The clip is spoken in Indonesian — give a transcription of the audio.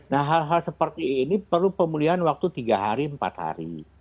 nah hal hal seperti ini perlu pemulihan waktu tiga hari empat hari